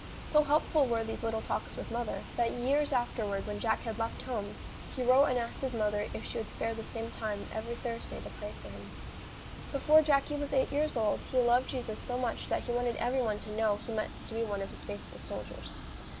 So helpful were these little talks with mother, that years afterwards when Jack had left home, he wrote and asked his mother if she would spare the same time every Thursday to pray for him. Before Jacky was eight years old he loved Jesus so much that he wanted every one to know he meant to be one of His faithful soldiers.